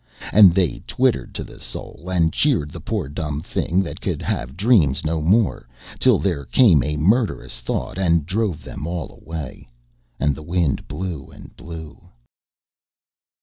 And they twittered to the soul and cheered the poor dumb thing that could have dreams no more, till there came a murderous thought and drove them all away. And the wind blew and blew.